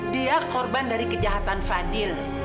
dia korban dari kejahatan fadil